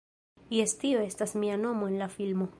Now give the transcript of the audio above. Jes tio estas mia nomo en la filmo.